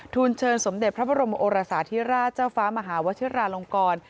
เชิญสมเด็จพระบรมโอรสาธิราชเจ้าฟ้ามหาวชิราลงกร